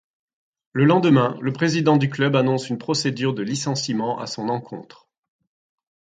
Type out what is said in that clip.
Le lendemain, le président du club annonce une procédure de licenciement à son encontre.